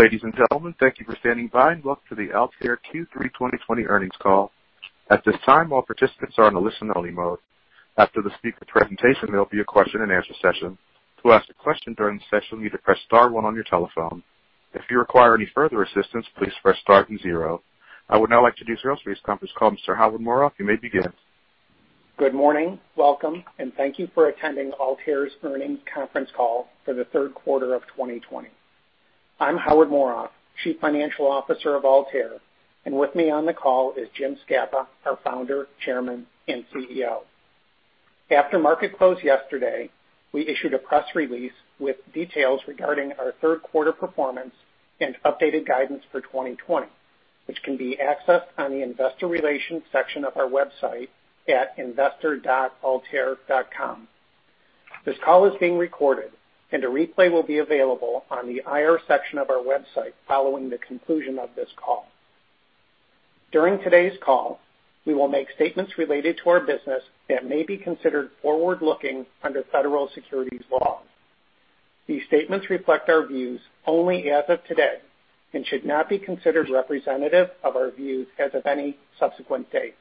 Ladies and gentlemen, thank you for standing by, and welcome to the Altair Q3 2020 earnings call. I would now like to introduce for this conference call, Mr. Howard Morof. You may begin. Good morning, welcome, and thank you for attending Altair's earnings conference call for the third quarter of 2020. I'm Howard Morof, Chief Financial Officer of Altair. With me on the call is James Scapa, our Founder, Chairman, and CEO. After market close yesterday, we issued a press release with details regarding our third quarter performance and updated guidance for 2020, which can be accessed on the investor relations section of our website at investor.altair.com. This call is being recorded, and a replay will be available on the IR section of our website following the conclusion of this call. During today's call, we will make statements related to our business that may be considered forward-looking under Federal Securities law. These statements reflect our views only as of today and should not be considered representative of our views as of any subsequent date.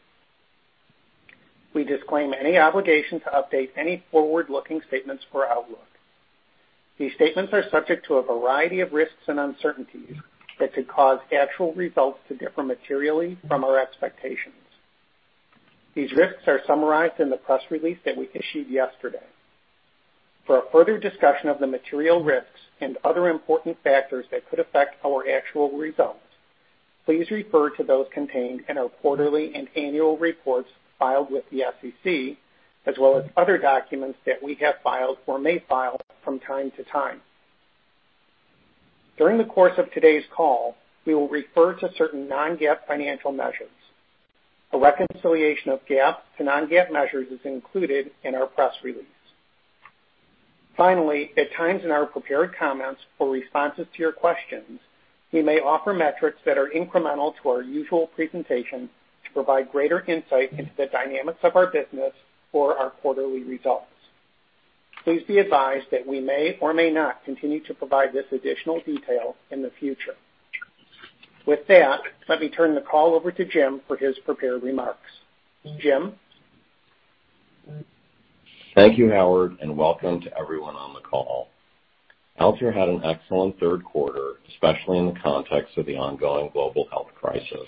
We disclaim any obligation to update any forward-looking statements or outlook. These statements are subject to a variety of risks and uncertainties that could cause actual results to differ materially from our expectations. These risks are summarized in the press release that we issued yesterday. For a further discussion of the material risks and other important factors that could affect our actual results, please refer to those contained in our quarterly and annual reports filed with the SEC, as well as other documents that we have filed or may file from time to time. During the course of today's call, we will refer to certain non-GAAP financial measures. A reconciliation of GAAP to non-GAAP measures is included in our press release. Finally, at times in our prepared comments or responses to your questions, we may offer metrics that are incremental to our usual presentation to provide greater insight into the dynamics of our business or our quarterly results. Please be advised that we may or may not continue to provide this additional detail in the future. With that, let me turn the call over to Jim for his prepared remarks. Jim? Thank you, Howard, and welcome to everyone on the call. Altair had an excellent third quarter, especially in the context of the ongoing global health crisis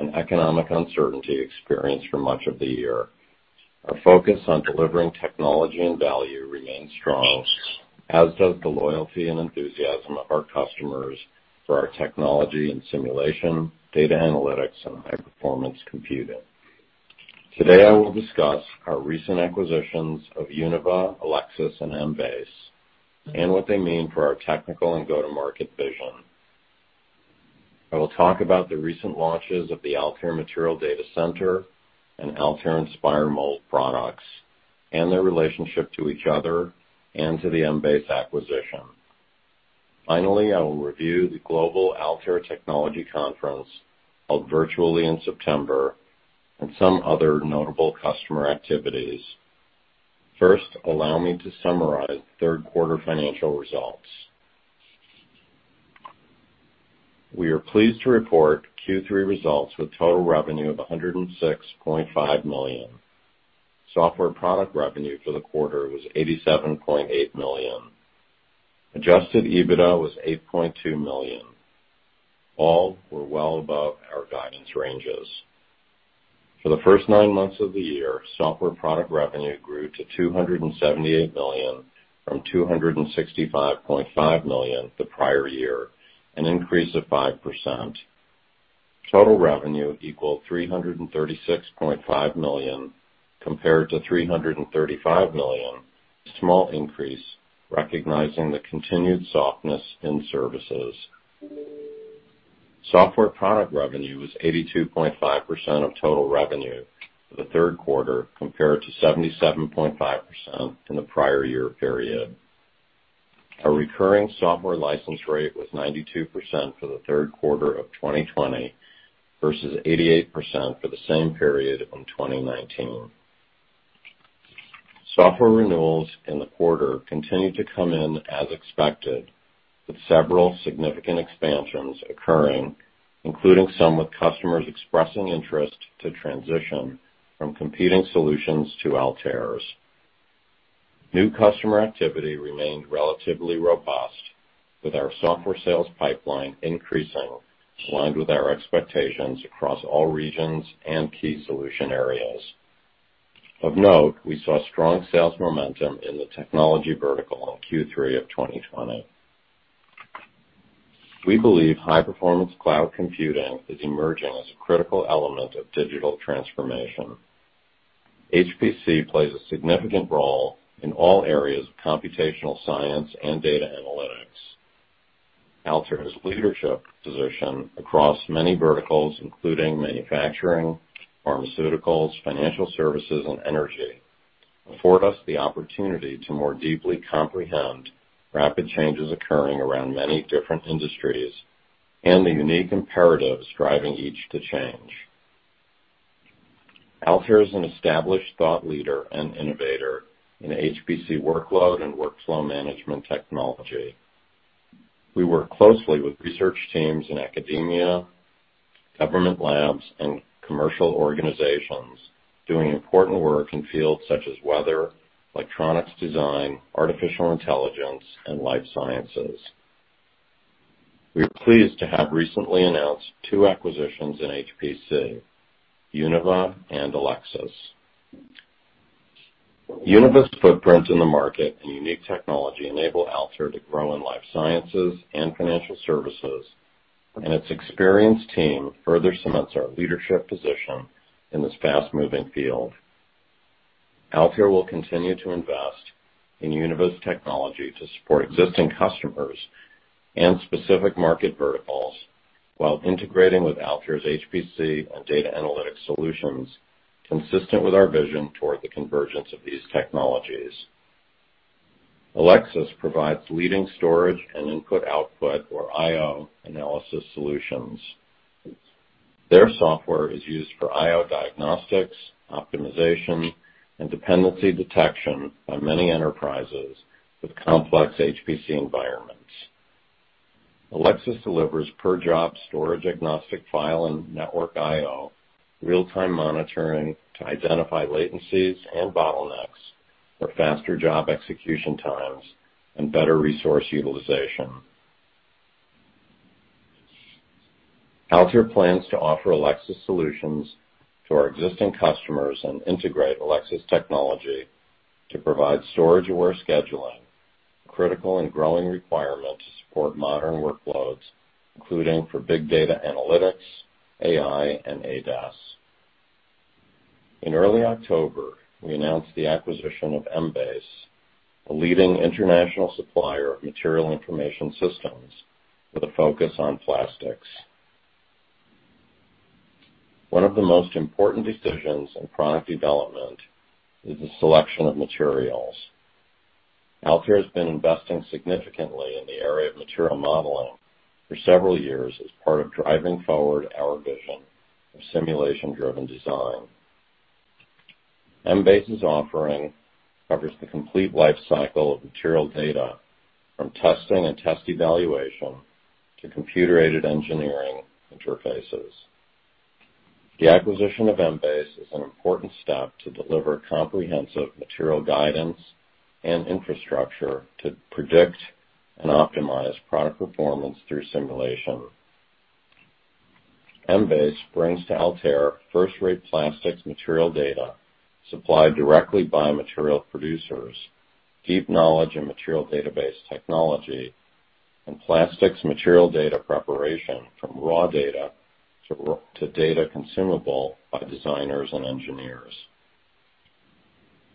and economic uncertainty experienced for much of the year. Our focus on delivering technology and value remains strong, as does the loyalty and enthusiasm of our customers for our technology and simulation, data analytics, and high-performance computing. Today, I will discuss our recent acquisitions of Univa, Ellexus, and M-Base, and what they mean for our technical and go-to-market vision. I will talk about the recent launches of the Altair Material Data Center and Altair Inspire Mold products and their relationship to each other and to the M-Base acquisition. Finally, I will review the Global Altair Technology Conference held virtually in September and some other notable customer activities. First, allow me to summarize third quarter financial results. We are pleased to report Q3 results with total revenue of $106.5 million. Software product revenue for the quarter was $87.8 million. Adjusted EBITDA was $8.2 million. All were well above our guidance ranges. For the first nine months of the year, software product revenue grew to $278 million from $265.5 million the prior year, an increase of 5%. Total revenue equaled $336.5 million compared to $335 million, a small increase, recognizing the continued softness in services. Software product revenue was 82.5% of total revenue for the third quarter, compared to 77.5% in the prior year period. Our recurring software license rate was 92% for the third quarter of 2020 versus 88% for the same period in 2019. Software renewals in the quarter continued to come in as expected, with several significant expansions occurring, including some with customers expressing interest to transition from competing solutions to Altair's. New customer activity remained relatively robust, with our software sales pipeline increasing, aligned with our expectations across all regions and key solution areas. Of note, we saw strong sales momentum in the technology vertical in Q3 of 2020. We believe high-performance cloud computing is emerging as a critical element of digital transformation. HPC plays a significant role in all areas of computational science and data analytics. Altair's leadership position across many verticals, including manufacturing, pharmaceuticals, financial services, and energy, afford us the opportunity to more deeply comprehend rapid changes occurring around many different industries and the unique imperatives driving each to change. Altair is an established thought leader and innovator in HPC workload and workflow management technology. We work closely with research teams in academia, government labs, and commercial organizations doing important work in fields such as weather, electronics design, artificial intelligence, and life sciences. We are pleased to have recently announced two acquisitions in HPC, Univa and Ellexus. Univa's footprint in the market and unique technology enable Altair to grow in life sciences and financial services, and its experienced team further cements our leadership position in this fast-moving field. Altair will continue to invest in Univa's technology to support existing customers and specific market verticals while integrating with Altair's HPC and data analytics solutions consistent with our vision toward the convergence of these technologies. Ellexus provides leading storage and input-output, or I/O, analysis solutions. Their software is used for I/O diagnostics, optimization, and dependency detection by many enterprises with complex HPC environments. Ellexus delivers per-job storage-agnostic file and network I/O, real-time monitoring to identify latencies and bottlenecks for faster job execution times, and better resource utilization. Altair plans to offer Ellexus solutions to our existing customers and integrate Ellexus technology to provide storage-aware scheduling, a critical and growing requirement to support modern workloads, including for big data analytics, AI, and ADAS. In early October, we announced the acquisition of M-Base, a leading international supplier of material information systems with a focus on plastics. One of the most important decisions in product development is the selection of materials. Altair has been investing significantly in the area of material modeling for several years as part of driving forward our vision of simulation-driven design. M-Base's offering covers the complete life cycle of material data from testing and test evaluation to computer-aided engineering interfaces. The acquisition of M-Base is an important step to deliver comprehensive material guidance and infrastructure to predict and optimize product performance through simulation. M-Base brings to Altair first-rate plastics material data supplied directly by material producers, deep knowledge in material database technology, and plastics material data preparation from raw data to data consumable by designers and engineers.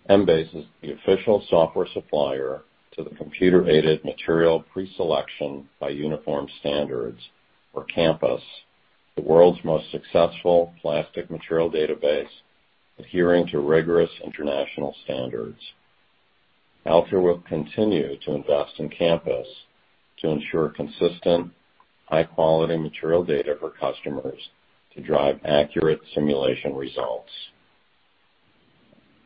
M-Base is the official software supplier to the Computer Aided Material Preselection by Uniform Standards, or CAMPUS, the world's most successful plastic material database adhering to rigorous international standards. Altair will continue to invest in CAMPUS to ensure consistent, high-quality material data for customers to drive accurate simulation results.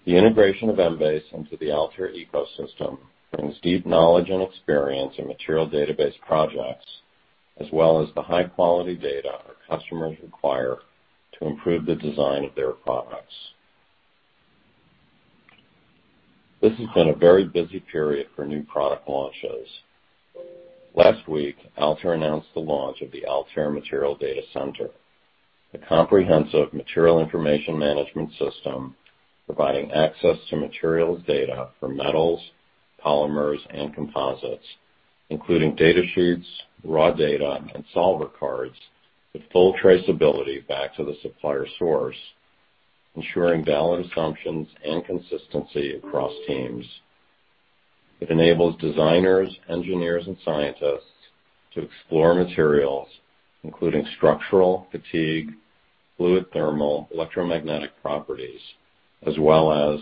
The integration of M-Base into the Altair ecosystem brings deep knowledge and experience in material database projects as well as the high-quality data our customers require to improve the design of their products. This has been a very busy period for new product launches. Last week, Altair announced the launch of the Altair Material Data Center, a comprehensive material information management system providing access to materials data for metals, polymers, and composites, including data sheets, raw data, and solver cards with full traceability back to the supplier source, ensuring valid assumptions and consistency across teams. It enables designers, engineers, and scientists to explore materials, including structural, fatigue, fluid thermal, electromagnetic properties, as well as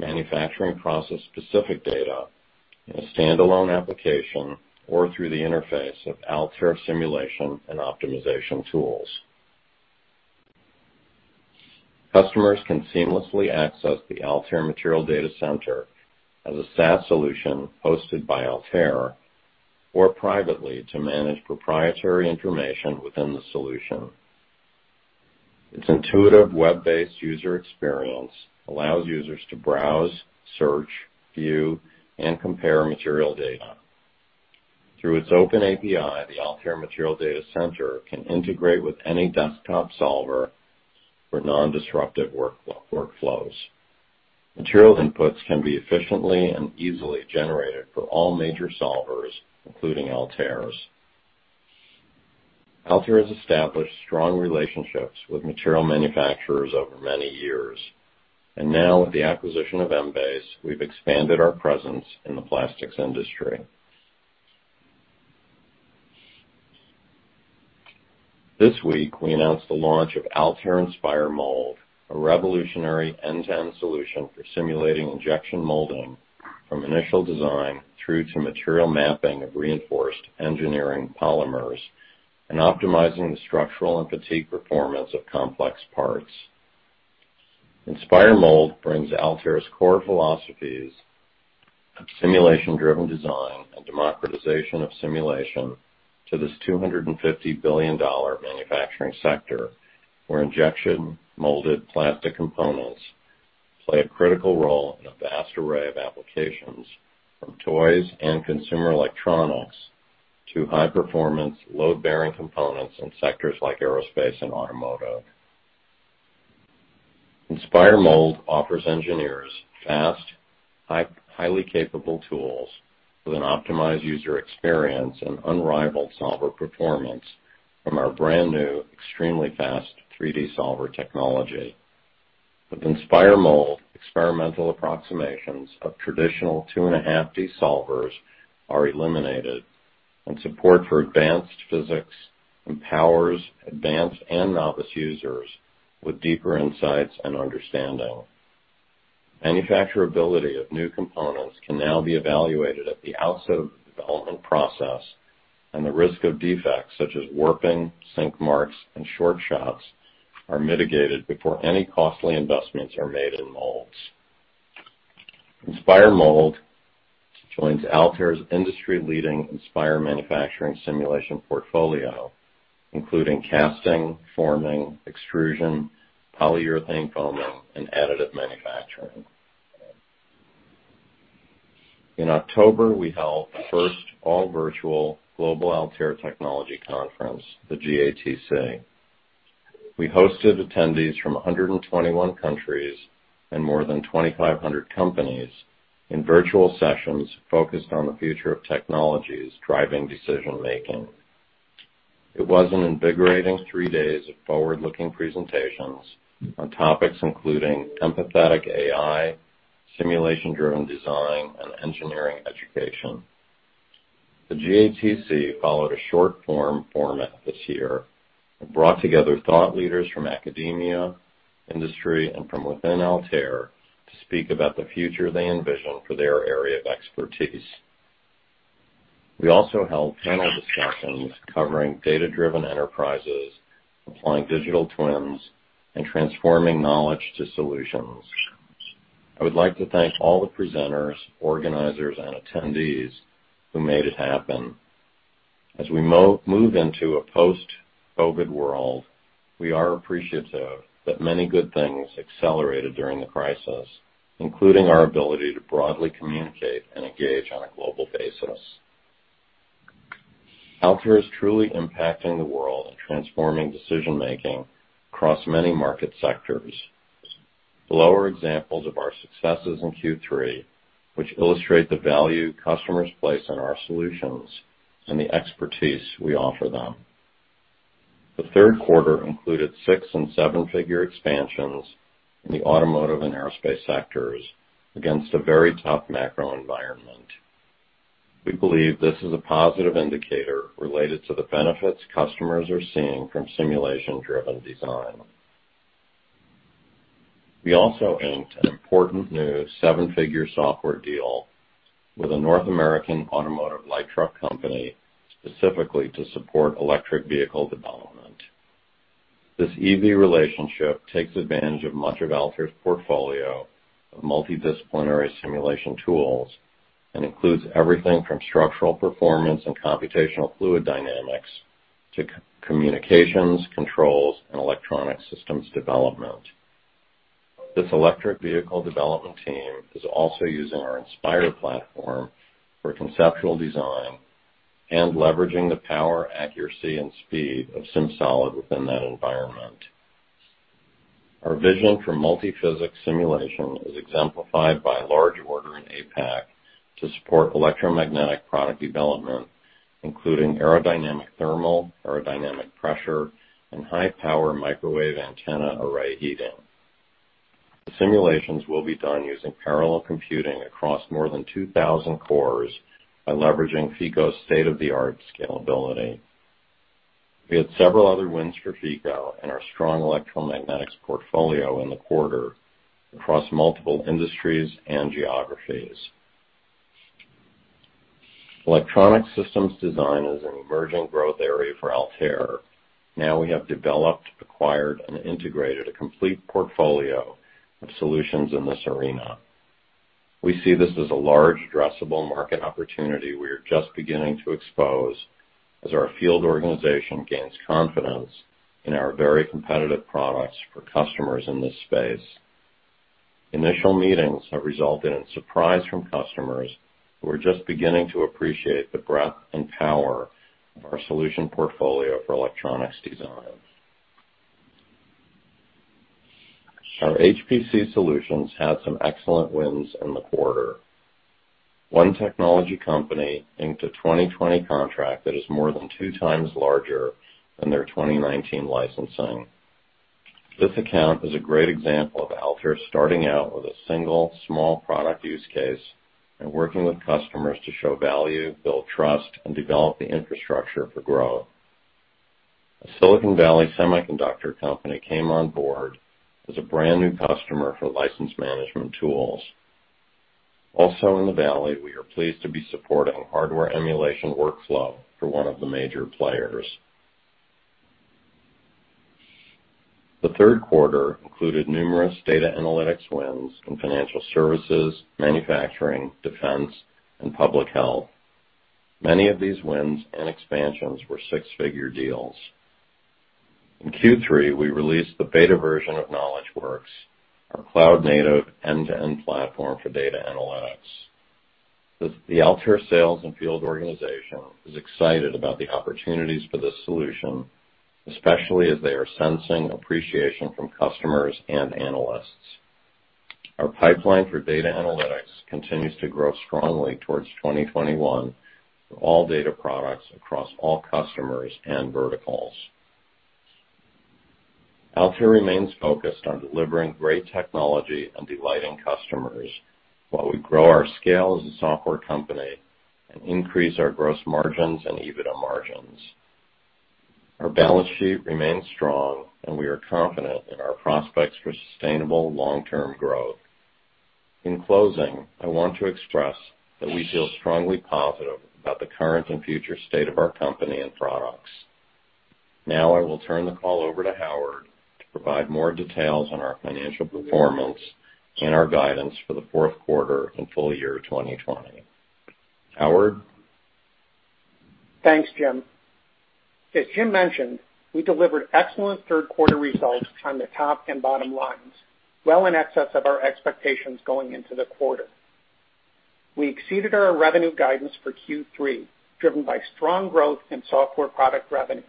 manufacturing process-specific data in a standalone application or through the interface of Altair simulation and optimization tools. Customers can seamlessly access the Altair Material Data Center as a SaaS solution hosted by Altair or privately to manage proprietary information within the solution. Its intuitive web-based user experience allows users to browse, search, view, and compare material data. Through its open API, the Altair Material Data Center can integrate with any desktop solver for non-disruptive workflows. Material inputs can be efficiently and easily generated for all major solvers, including Altair's. Altair has established strong relationships with material manufacturers over many years, and now with the acquisition of M-Base, we've expanded our presence in the plastics industry. This week, we announced the launch of Altair Inspire Mold, a revolutionary end-to-end solution for simulating injection molding, from initial design through to material mapping of reinforced engineering polymers, and optimizing the structural and fatigue performance of complex parts. Inspire Mold brings Altair's core philosophies of simulation-driven design and democratization of simulation to this $250 billion manufacturing sector, where injection molded plastic components play a critical role in a vast array of applications, from toys and consumer electronics to high-performance load-bearing components in sectors like aerospace and automotive. Inspire Mold offers engineers fast, highly capable tools with an optimized user experience and unrivaled solver performance from our brand-new extremely fast 3D solver technology. With Inspire Mold, experimental approximations of traditional two and a half D solvers are eliminated, and support for advanced physics empowers advanced and novice users with deeper insights and understanding. Manufacturability of new components can now be evaluated at the outset of the development process, and the risk of defects such as warping, sink marks, and short shots are mitigated before any costly investments are made in molds. Inspire Mold joins Altair's industry leading Inspire manufacturing simulation portfolio, including casting, forming, extrusion, polyurethane foaming, and additive manufacturing. In October, we held the first all-virtual Global Altair Technology Conference, the GATC. We hosted attendees from 121 countries and more than 2,500 companies in virtual sessions focused on the future of technologies driving decision-making. It was an invigorating three days of forward-looking presentations on topics including empathetic AI, simulation-driven design, and engineering education. The GATC followed a short-form format this year. It brought together thought leaders from academia, industry, and from within Altair to speak about the future they envision for their area of expertise. We also held panel discussions covering data-driven enterprises, applying digital twins, and transforming knowledge to solutions. I would like to thank all the presenters, organizers, and attendees who made it happen. As we move into a post-COVID-19 world, we are appreciative that many good things accelerated during the crisis, including our ability to broadly communicate and engage on a global basis. Altair is truly impacting the world and transforming decision-making across many market sectors. Below are examples of our successes in Q3, which illustrate the value customers place on our solutions and the expertise we offer them. The third quarter included six and seven-figure expansions in the automotive and aerospace sectors against a very tough macro environment. We believe this is a positive indicator related to the benefits customers are seeing from simulation-driven design. We also inked an important new seven-figure software deal with a North American automotive light truck company, specifically to support electric vehicle development. This EV relationship takes advantage of much of Altair's portfolio of multidisciplinary simulation tools and includes everything from structural performance and computational fluid dynamics to communications, controls, and electronic systems development. This electric vehicle development team is also using our Inspire platform for conceptual design and leveraging the power, accuracy and speed of SimSolid within that environment. Our vision for multiphysics simulation is exemplified by a large order in APAC to support electromagnetic product development, including aerodynamic thermal, aerodynamic pressure, and high-power microwave antenna array heating. The simulations will be done using parallel computing across more than 2,000 cores by leveraging Feko's state-of-the-art scalability. We had several other wins for Feko and our strong electromagnetics portfolio in the quarter across multiple industries and geographies. Electronic systems design is an emerging growth area for Altair. We have developed, acquired, and integrated a complete portfolio of solutions in this arena. We see this as a large addressable market opportunity we are just beginning to expose as our field organization gains confidence in our very competitive products for customers in this space. Initial meetings have resulted in surprise from customers who are just beginning to appreciate the breadth and power of our solution portfolio for electronics design. Our HPC solutions had some excellent wins in the quarter. One technology company inked a 2020 contract that is more than two times larger than their 2019 licensing. This account is a great example of Altair starting out with a single, small product use case and working with customers to show value, build trust, and develop the infrastructure for growth. Silicon Valley semiconductor company came on board as a brand-new customer for license management tools. Also in the valley, we are pleased to be supporting hardware emulation workflow for one of the major players. The third quarter included numerous data analytics wins in financial services, manufacturing, defense, and public health. Many of these wins and expansions were six-figure deals. In Q3, we released the beta version of Knowledge Works, our cloud-native end-to-end platform for data analytics. The Altair sales and field organization is excited about the opportunities for this solution, especially as they are sensing appreciation from customers and analysts. Our pipeline for data analytics continues to grow strongly towards 2021 for all data products across all customers and verticals. Altair remains focused on delivering great technology and delighting customers while we grow our scale as a software company and increase our gross margins and EBITDA margins. Our balance sheet remains strong, and we are confident in our prospects for sustainable long-term growth. In closing, I want to express that we feel strongly positive about the current and future state of our company and products. Now I will turn the call over to Howard to provide more details on our financial performance and our guidance for the fourth quarter and full year 2020. Howard? Thanks, Jim. As Jim mentioned, we delivered excellent third quarter results on the top and bottom lines, well in excess of our expectations going into the quarter. We exceeded our revenue guidance for Q3, driven by strong growth in software product revenue,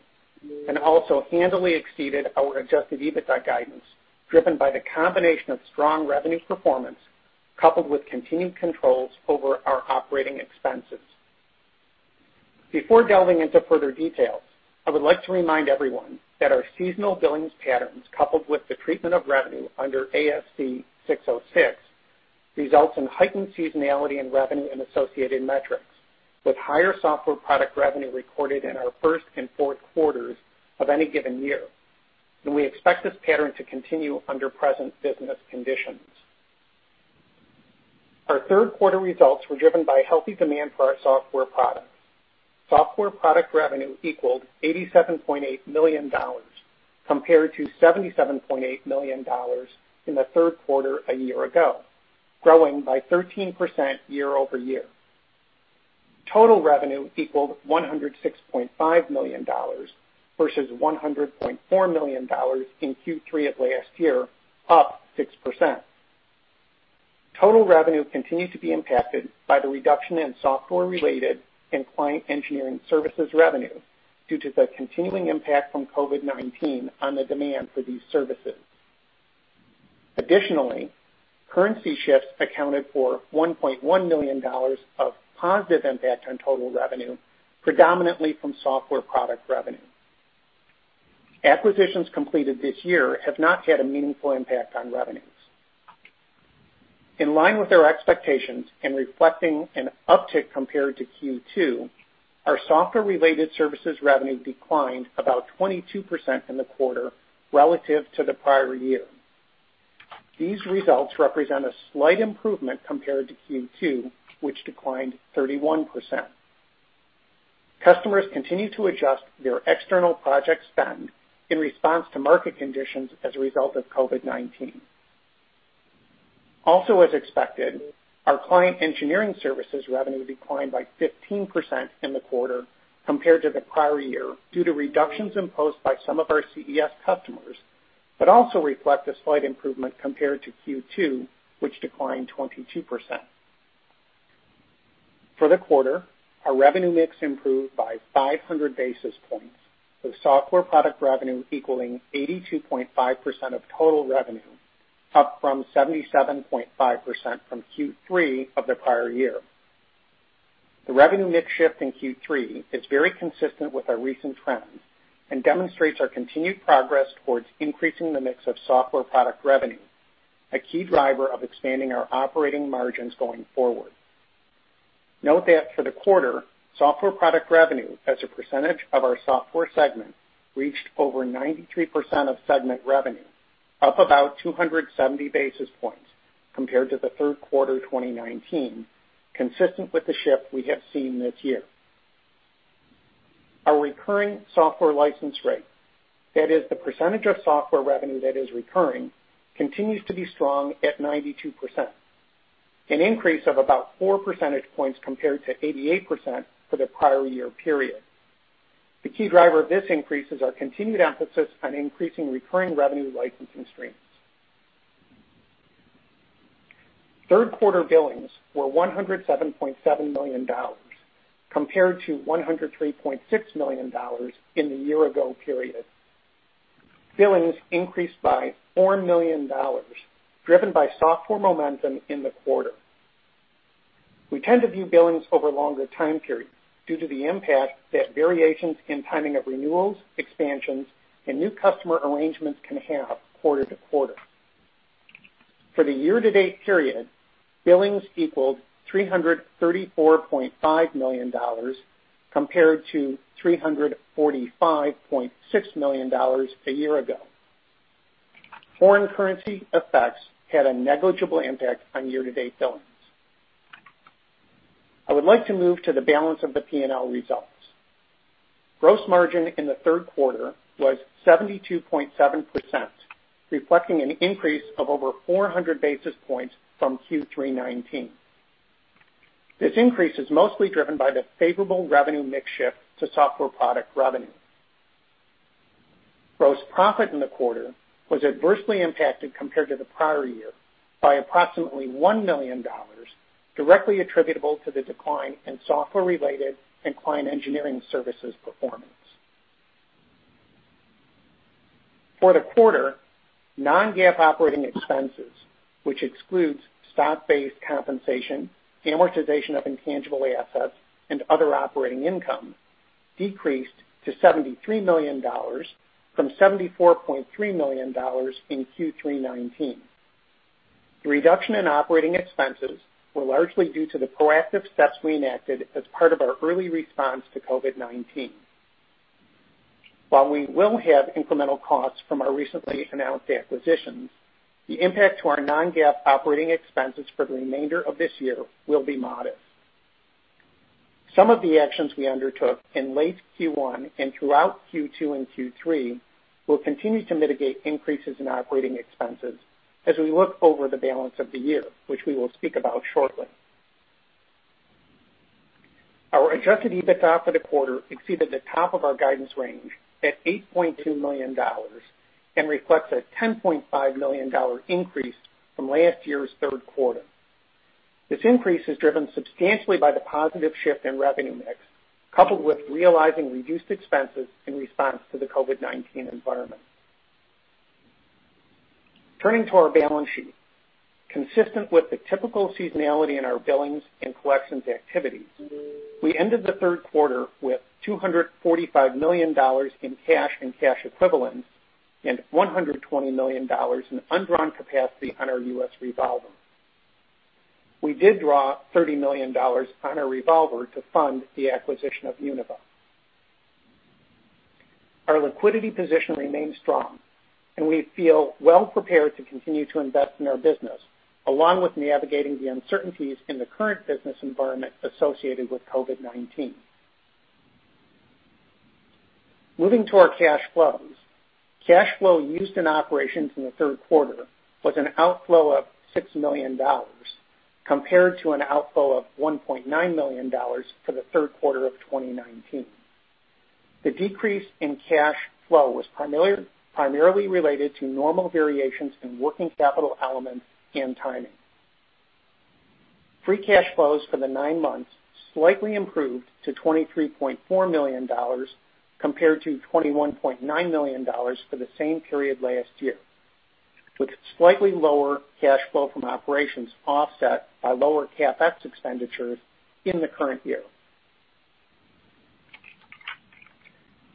and also handily exceeded our adjusted EBITDA guidance, driven by the combination of strong revenue performance coupled with continued controls over our operating expenses. Before delving into further details, I would like to remind everyone that our seasonal billings patterns, coupled with the treatment of revenue under ASC 606, results in heightened seasonality in revenue and associated metrics, with higher software product revenue recorded in our first and fourth quarters of any given year. We expect this pattern to continue under present business conditions. Our third quarter results were driven by healthy demand for our software products. Software product revenue equaled $87.8 million, compared to $77.8 million in the third quarter a year ago, growing by 13% year-over-year. Total revenue equaled $106.5 million versus $100.4 million in Q3 of last year, up 6%. Total revenue continued to be impacted by the reduction in software-related and client engineering services revenue due to the continuing impact from COVID-19 on the demand for these services. Additionally, currency shifts accounted for $1.1 million of positive impact on total revenue, predominantly from software product revenue. Acquisitions completed this year have not had a meaningful impact on revenues. In line with our expectations and reflecting an uptick compared to Q2, our software-related services revenue declined about 22% in the quarter relative to the prior year. These results represent a slight improvement compared to Q2, which declined 31%. Customers continue to adjust their external project spend in response to market conditions as a result of COVID-19. Also, as expected, our client engineering services revenue declined by 15% in the quarter compared to the prior year, due to reductions imposed by some of our CES customers, but also reflect a slight improvement compared to Q2, which declined 22%. For the quarter, our revenue mix improved by 500 basis points, with software product revenue equaling 82.5% of total revenue, up from 77.5% from Q3 of the prior year. The revenue mix shift in Q3 is very consistent with our recent trends and demonstrates our continued progress towards increasing the mix of software product revenue, a key driver of expanding our operating margins going forward. Note that for the quarter, software product revenue as a percentage of our software segment reached over 93% of segment revenue, up about 270 basis points compared to the third quarter 2019, consistent with the shift we have seen this year. Our recurring software license rate, that is the percentage of software revenue that is recurring, continues to be strong at 92%, an increase of about four percentage points compared to 88% for the prior year period. The key driver of this increase is our continued emphasis on increasing recurring revenue licensing streams. Third quarter billings were $107.7 million, compared to $103.6 million in the year-ago period. Billings increased by $4 million, driven by software momentum in the quarter. We tend to view billings over longer time periods due to the impact that variations in timing of renewals, expansions, and new customer arrangements can have quarter-to-quarter. For the year-to-date period, billings equaled $334.5 million compared to $345.6 million a year ago. Foreign currency effects had a negligible impact on year-to-date billings. I would like to move to the balance of the P&L results. Gross margin in the third quarter was 72.7%, reflecting an increase of over 400 basis points from Q3 2019. This increase is mostly driven by the favorable revenue mix shift to software product revenue. Gross profit in the quarter was adversely impacted compared to the prior year by approximately $1 million, directly attributable to the decline in software-related and client engineering services performance. For the quarter, non-GAAP operating expenses, which excludes stock-based compensation, amortization of intangible assets, and other operating income, decreased to $73 million from $74.3 million in Q3 2019. The reduction in operating expenses were largely due to the proactive steps we enacted as part of our early response to COVID-19. While we will have incremental costs from our recently announced acquisitions, the impact to our non-GAAP operating expenses for the remainder of this year will be modest. Some of the actions we undertook in late Q1 and throughout Q2 and Q3 will continue to mitigate increases in operating expenses as we look over the balance of the year, which we will speak about shortly. Our adjusted EBITDA for the quarter exceeded the top of our guidance range at $8.2 million and reflects a $10.5 million increase from last year's third quarter. This increase is driven substantially by the positive shift in revenue mix, coupled with realizing reduced expenses in response to the COVID-19 environment. Turning to our balance sheet. Consistent with the typical seasonality in our billings and collections activities, we ended the third quarter with $245 million in cash and cash equivalents and $120 million in undrawn capacity on our U.S. revolver. We did draw $30 million on our revolver to fund the acquisition of Univa. Our liquidity position remains strong, and we feel well prepared to continue to invest in our business, along with navigating the uncertainties in the current business environment associated with COVID-19. Moving to our cash flows. Cash flow used in operations in the third quarter was an outflow of $6 million compared to an outflow of $1.9 million for the third quarter of 2019. The decrease in cash flow was primarily related to normal variations in working capital elements and timing. Free cash flows for the nine months slightly improved to $23.4 million compared to $21.9 million for the same period last year, with slightly lower cash flow from operations offset by lower CapEx expenditures in the current year.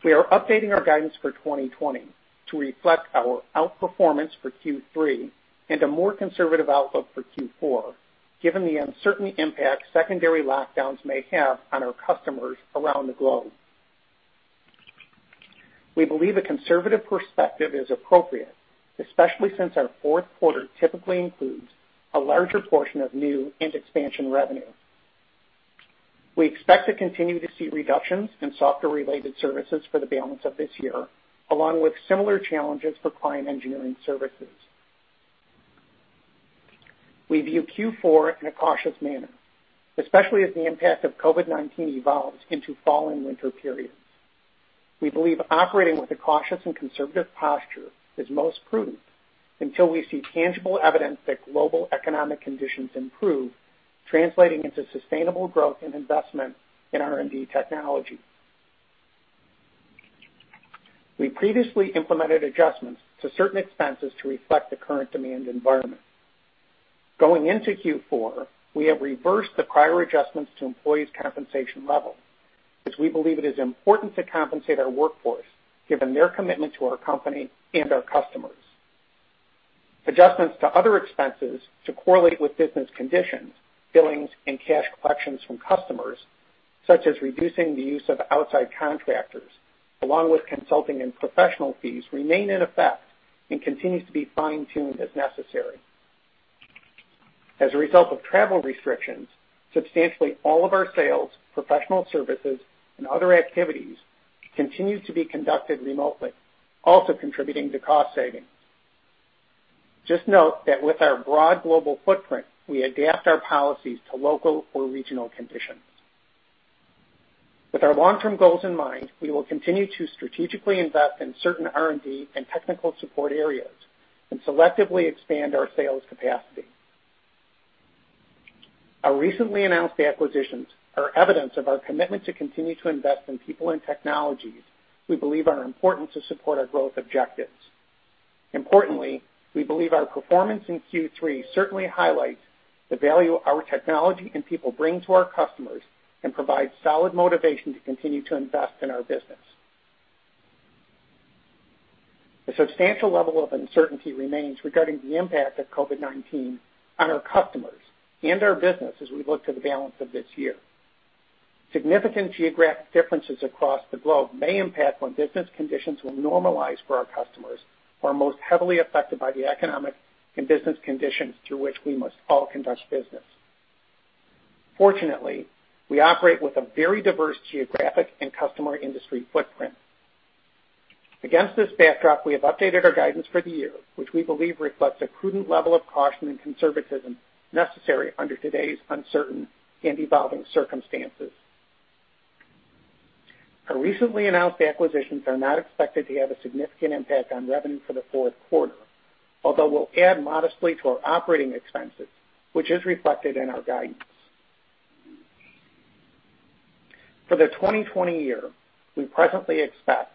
We are updating our guidance for 2020 to reflect our outperformance for Q3 and a more conservative outlook for Q4, given the uncertain impact secondary lockdowns may have on our customers around the globe. We believe a conservative perspective is appropriate, especially since our fourth quarter typically includes a larger portion of new and expansion revenue. We expect to continue to see reductions in software-related services for the balance of this year, along with similar challenges for client engineering services. We view Q4 in a cautious manner, especially as the impact of COVID-19 evolves into fall and winter periods. We believe operating with a cautious and conservative posture is most prudent until we see tangible evidence that global economic conditions improve, translating into sustainable growth and investment in R&D technology. We previously implemented adjustments to certain expenses to reflect the current demand environment. Going into Q4, we have reversed the prior adjustments to employees' compensation level, as we believe it is important to compensate our workforce given their commitment to our company and our customers. Adjustments to other expenses to correlate with business conditions, billings, and cash collections from customers, such as reducing the use of outside contractors along with consulting and professional fees, remain in effect and continues to be fine-tuned as necessary. As a result of travel restrictions, substantially all of our sales, professional services, and other activities continue to be conducted remotely, also contributing to cost savings. Just note that with our broad global footprint, we adapt our policies to local or regional conditions. With our long-term goals in mind, we will continue to strategically invest in certain R&D and technical support areas and selectively expand our sales capacity. Our recently announced acquisitions are evidence of our commitment to continue to invest in people and technologies we believe are important to support our growth objectives. Importantly, we believe our performance in Q3 certainly highlights the value our technology and people bring to our customers and provides solid motivation to continue to invest in our business. A substantial level of uncertainty remains regarding the impact of COVID-19 on our customers and our business as we look to the balance of this year. Significant geographic differences across the globe may impact when business conditions will normalize for our customers who are most heavily affected by the economic and business conditions through which we must all conduct business. Fortunately, we operate with a very diverse geographic and customer industry footprint. Against this backdrop, we have updated our guidance for the year, which we believe reflects a prudent level of caution and conservatism necessary under today's uncertain and evolving circumstances. Our recently announced acquisitions are not expected to have a significant impact on revenue for the fourth quarter, although will add modestly to our operating expenses, which is reflected in our guidance. For the 2020 year, we presently expect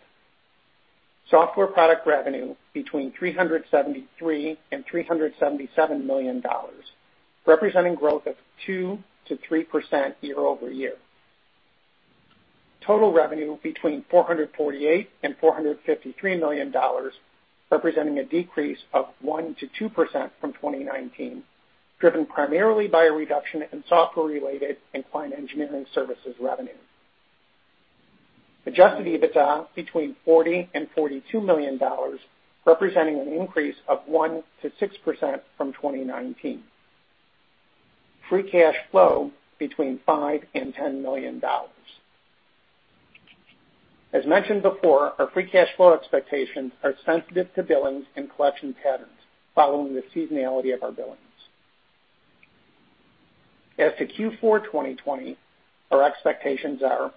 software product revenue between $373 million and $377 million, representing growth of 2%-3% year-over-year. Total revenue between $448 million-$453 million, representing a decrease of 1%-2% from 2019, driven primarily by a reduction in software-related and client engineering services revenue. Adjusted EBITDA between $40 million-$42 million, representing an increase of 1%-6% from 2019. Free cash flow between $5 million-$10 million. As mentioned before, our free cash flow expectations are sensitive to billings and collection patterns following the seasonality of our billings. As to Q4 2020, our expectations are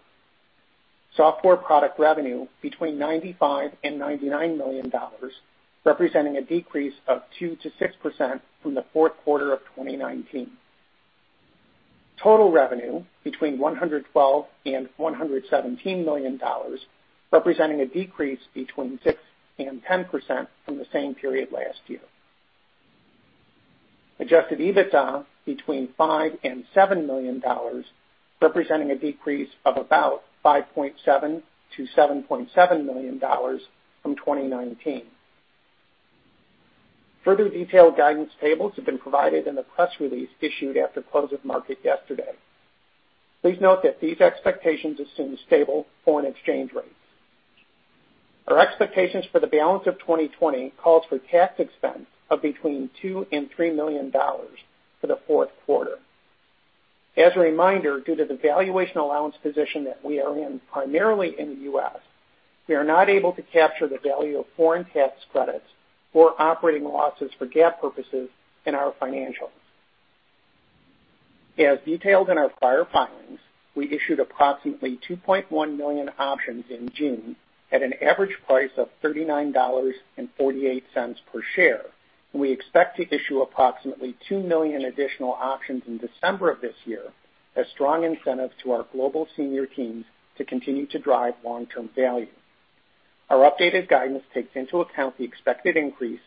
software product revenue between $95 million-$99 million, representing a decrease of 2%-6% from the fourth quarter of 2019. Total revenue between $112 million-$117 million, representing a decrease between 6%-10% from the same period last year. Adjusted EBITDA between $5 million-$7 million, representing a decrease of about $5.7 million-$7.7 million from 2019. Further detailed guidance tables have been provided in the press release issued after close of market yesterday. Please note that these expectations assume stable foreign exchange rates. Our expectations for the balance of 2020 calls for tax expense of between $2 million and $3 million for the fourth quarter. As a reminder, due to the valuation allowance position that we are in primarily in the U.S., we are not able to capture the value of foreign tax credits or operating losses for GAAP purposes in our financials. As detailed in our prior filings, we issued approximately 2.1 million options in June at an average price of $39.48 per share. We expect to issue approximately 2 million additional options in December of this year as strong incentives to our global senior teams to continue to drive long-term value. Our updated guidance takes into account the expected increase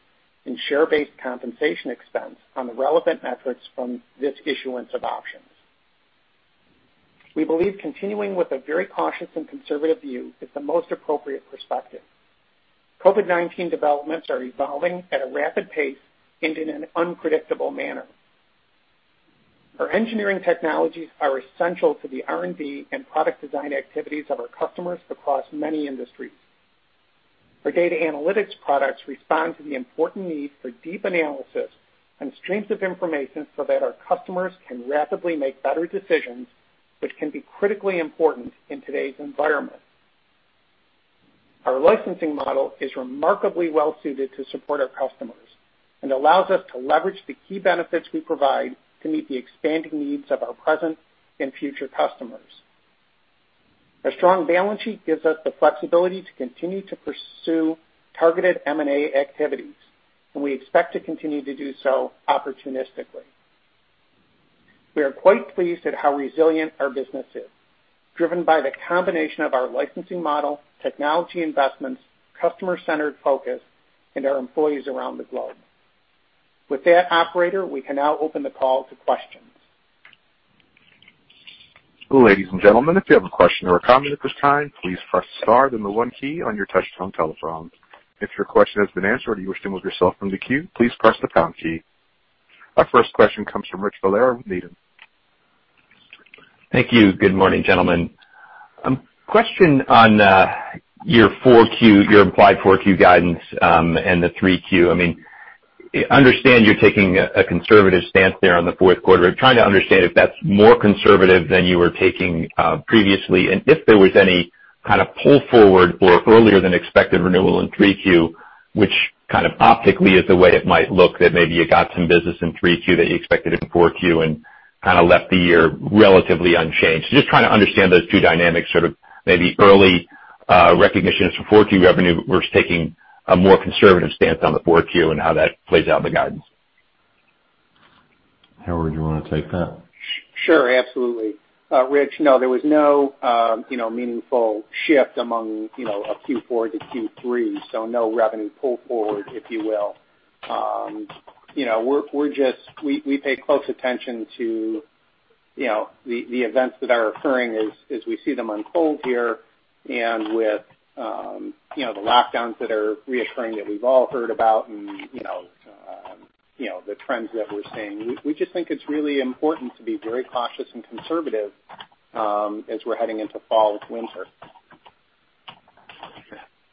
in share-based compensation expense on the relevant metrics from this issuance of options. We believe continuing with a very cautious and conservative view is the most appropriate perspective. COVID-19 developments are evolving at a rapid pace and in an unpredictable manner. Our engineering technologies are essential to the R&D and product design activities of our customers across many industries. Our data analytics products respond to the important need for deep analysis and streams of information so that our customers can rapidly make better decisions, which can be critically important in today's environment. Our licensing model is remarkably well-suited to support our customers and allows us to leverage the key benefits we provide to meet the expanding needs of our present and future customers. Our strong balance sheet gives us the flexibility to continue to pursue targeted M&A activities, and we expect to continue to do so opportunistically. We are quite pleased at how resilient our business is, driven by the combination of our licensing model, technology investments, customer-centered focus, and our employees around the globe. With that, operator, we can now open the call to questions. Our first question comes from Rich Valera with Needham. Thank you. Good morning, gentlemen. Question on your implied 4Q guidance, and the 3Q. I understand you're taking a conservative stance there on the fourth quarter. I'm trying to understand if that's more conservative than you were taking previously, and if there was any kind of pull forward or earlier than expected renewal in 3Q, which kind of optically is the way it might look, that maybe you got some business in 3Q that you expected in 4Q and kind of left the year relatively unchanged. Just trying to understand those two dynamics, sort of maybe early recognition as to 4Q revenue versus taking a more conservative stance on the 4Q and how that plays out in the guidance. Howard, you want to take that? Sure, absolutely. Rich, no, there was no meaningful shift among Q4 to Q3. No revenue pull forward, if you will. We pay close attention to the events that are occurring as we see them unfold here, with the lockdowns that are reoccurring that we've all heard about, and the trends that we're seeing. We just think it's really important to be very cautious and conservative as we're heading into fall with winter.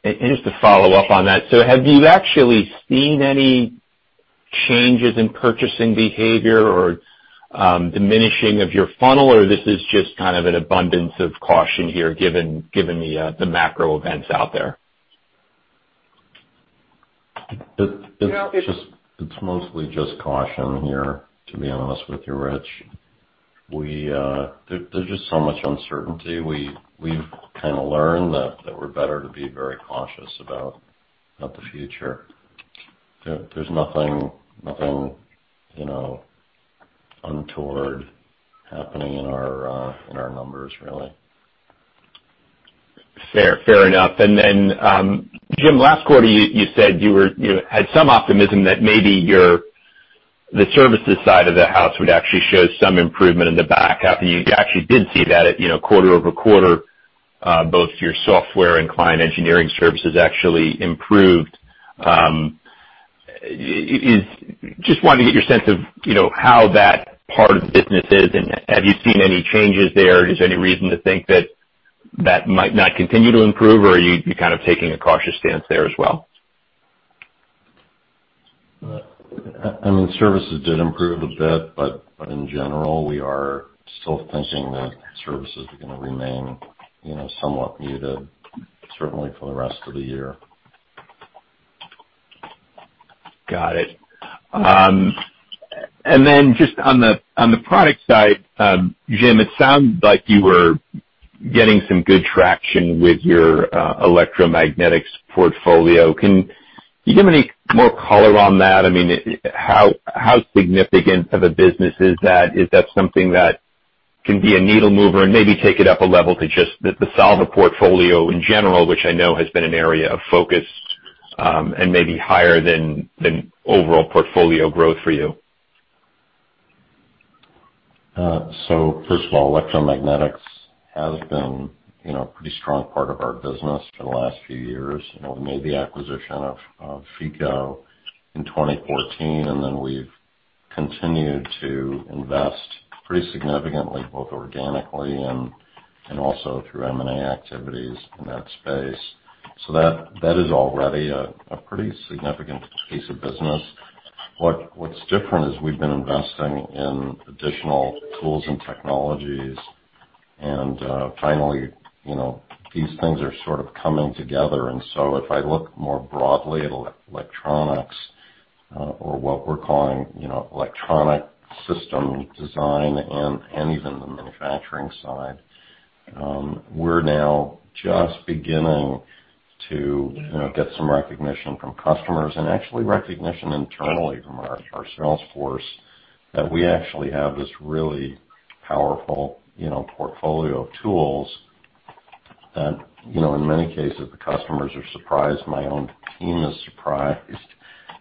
Just to follow up on that, so have you actually seen any changes in purchasing behavior or diminishing of your funnel, or this is just kind of an abundance of caution here, given the macro events out there? It's mostly just caution here, to be honest with you, Rich. There's just so much uncertainty. We've kind of learned that we're better to be very cautious about the future. There's nothing untoward happening in our numbers, really. Fair. Fair enough. Jim, last quarter you said you had some optimism that maybe the services side of the house would actually show some improvement in the back half, and you actually did see that quarter-over-quarter, both your software and client engineering services actually improved. Just wanted to get your sense of how that part of the business is, and have you seen any changes there? Is there any reason to think that that might not continue to improve or are you kind of taking a cautious stance there as well? I mean, services did improve a bit, but in general, we are still thinking that services are going to remain somewhat muted, certainly for the rest of the year. Got it. Just on the product side, Jim, it sounded like you were getting some good traction with your electromagnetics portfolio. Can you give any more color on that? I mean, how significant of a business is that? Is that something that can be a needle mover and maybe take it up a level to just the solver portfolio in general, which I know has been an area of focus, and maybe higher than overall portfolio growth for you? First of all, electromagnetics has been a pretty strong part of our business for the last few years. We made the acquisition of Feko in 2014, and then we've continued to invest pretty significantly, both organically and also through M&A activities in that space. That is already a pretty significant piece of business. What's different is we've been investing in additional tools and technologies, and finally, these things are sort of coming together. If I look more broadly at electronics or what we're calling electronic system design and even the manufacturing side, we're now just beginning to get some recognition from customers and actually recognition internally from our sales force that we actually have this really powerful portfolio of tools that in many cases, the customers are surprised. My own team is surprised,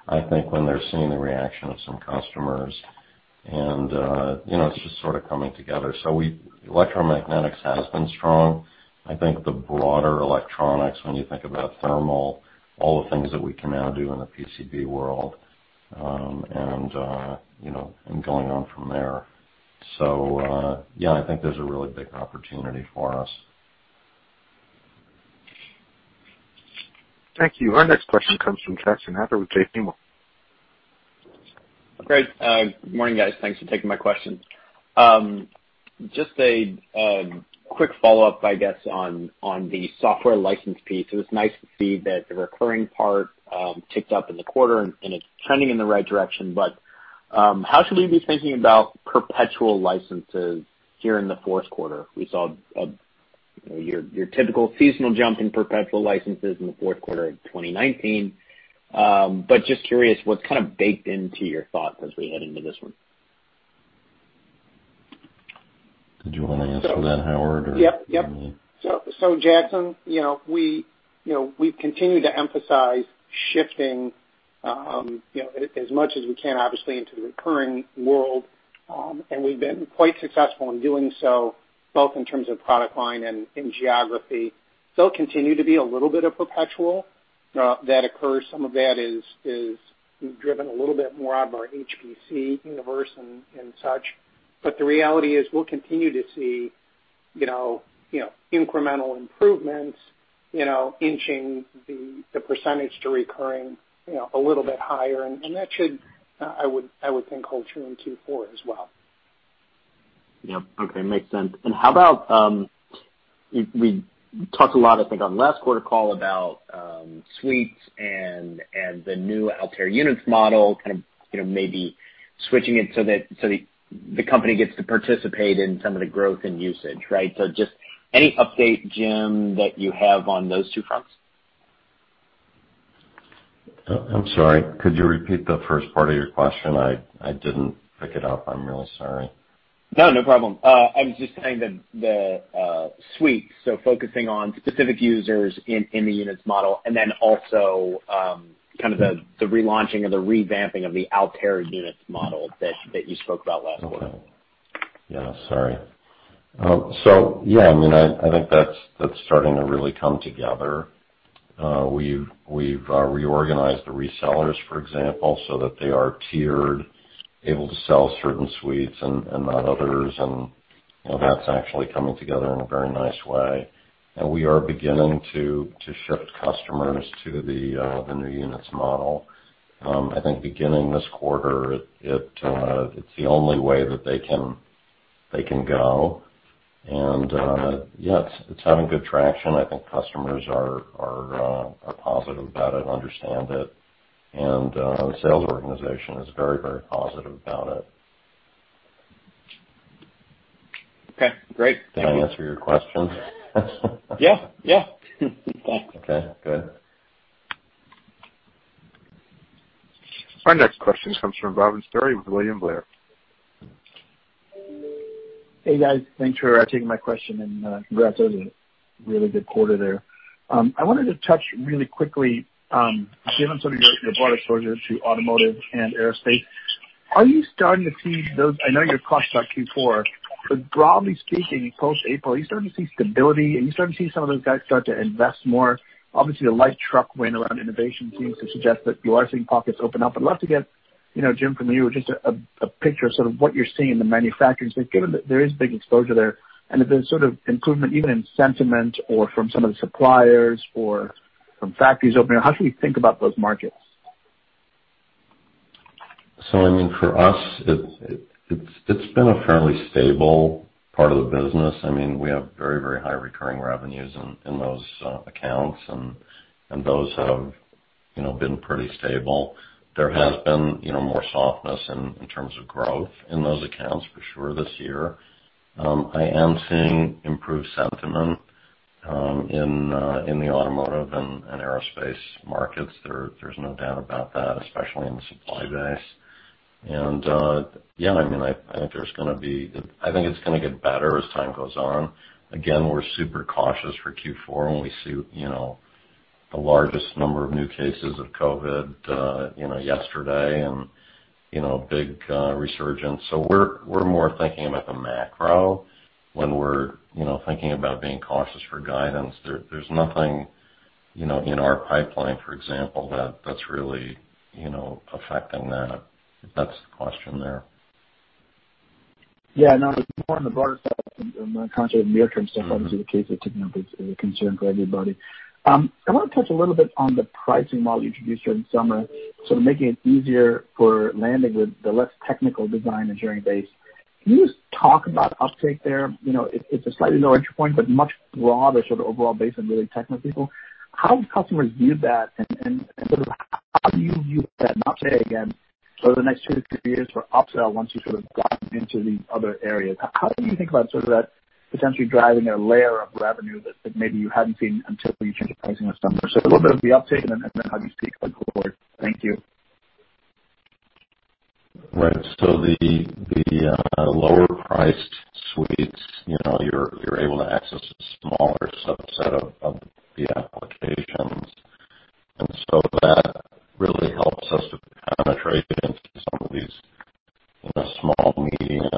I think, when they're seeing the reaction of some customers. It's just sort of coming together. Electromagnetics has been strong. I think the broader electronics, when you think about thermal, all the things that we can now do in the PCB world, and going on from there. Yeah, I think there's a really big opportunity for us. Thank you. Our next question comes from Jackson Ader with J.P. Morgan. Great. Good morning, guys. Thanks for taking my questions. Just a quick follow-up, I guess, on the software license piece. It was nice to see that the recurring part ticked up in the quarter, and it's trending in the right direction, but how should we be thinking about perpetual licenses here in the fourth quarter? We saw your typical seasonal jump in perpetual licenses in the fourth quarter of 2019. Just curious, what's kind of baked into your thoughts as we head into this one? Did you want to answer that, Howard? Yep. Jackson, we've continued to emphasize shifting as much as we can, obviously, into the recurring world. We've been quite successful in doing so, both in terms of product line and in geography. There'll continue to be a little bit of perpetual that occurs. Some of that is driven a little bit more out of our HPC universe and such. The reality is we'll continue to see incremental improvements inching the percentage to recurring a little bit higher. That should, I would think, hold true in Q4 as well. Yep. Okay. Makes sense. How about, we talked a lot, I think, on last quarter call about suites and the new Altair Units model, kind of maybe switching it so the company gets to participate in some of the growth and usage, right? Just any update, Jim, that you have on those two fronts? I'm sorry, could you repeat the first part of your question? I didn't pick it up. I'm really sorry. No, no problem. I was just saying that the suite, focusing on specific users in the Units model, and then also the relaunching or the revamping of the Altair Units model that you spoke about last quarter. Okay. Yeah, sorry. Yeah, I think that's starting to really come together. We've reorganized the resellers, for example, so that they are tiered, able to sell certain suites and not others. That's actually coming together in a very nice way. We are beginning to shift customers to the new Units model. I think beginning this quarter, it's the only way that they can go. Yeah, it's having good traction. I think customers are positive about it and understand it. The sales organization is very positive about it. Okay, great. Did I answer your questions? Yeah. Thanks. Okay, good. Our next question comes from Bhavan Suri with William Blair. Hey, guys. Thanks for taking my question and congrats on a really good quarter there. I wanted to touch really quickly, given some of your broader exposure to automotive and aerospace. I know you're cautious about Q4, but broadly speaking, post-April, are you starting to see stability? Are you starting to see some of those guys start to invest more? Obviously, the light truck win around innovation seems to suggest that you are seeing pockets open up. I'd love to get, Jim, from you, just a picture of sort of what you're seeing in the manufacturing space, given that there is big exposure there and if there's sort of improvement even in sentiment or from some of the suppliers or from factories opening up. How should we think about those markets? I mean, for us, it's been a fairly stable part of the business. We have very high recurring revenues in those accounts, and those have been pretty stable. There has been more softness in terms of growth in those accounts for sure this year. I am seeing improved sentiment in the automotive and aerospace markets. There's no doubt about that, especially in the supply base. And yeah, I think it's going to get better as time goes on. Again, we're super cautious for Q4 when we see the largest number of new cases of COVID yesterday and big resurgence. We're more thinking about the macro when we're thinking about being cautious for guidance. There's nothing in our pipeline, for example, that's really affecting that, if that's the question there. Yeah, no, it's more on the broader side than the contract near-term stuff. Obviously, the case with Tiffany is a concern for everybody. I want to touch a little bit on the pricing model you introduced during the summer, sort of making it easier for landing with the less technical design engineering base. Can you just talk about uptake there? It's a slightly lower entry point, but much broader sort of overall base than really technical people. How have customers viewed that and sort of how do you view that and update again, sort of the next two to three years for upsell once you've sort of gotten into these other areas. How do you think about sort of that potentially driving a layer of revenue that maybe you hadn't seen until you changed the pricing this summer? A little bit of the uptake and then how you see it going forward. Thank you. Right. The lower priced suites, you're able to access a smaller subset of the applications. That really helps us to penetrate into some of these small, medium